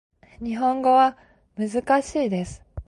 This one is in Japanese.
日本語は難しいです